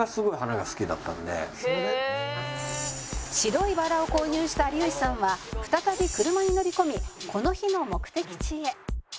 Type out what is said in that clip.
「白いバラを購入した有吉さんは再び車に乗り込みこの日の目的地へ」